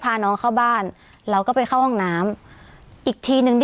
พาน้องเข้าบ้านเราก็ไปเข้าห้องน้ำอีกทีหนึ่ง